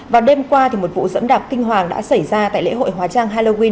vào đêm qua một vụ dẫm đạp kinh hoàng đã xảy ra tại lễ hội hóa trang halloween